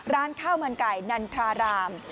ร้านข้าวมันไก่นันทราราม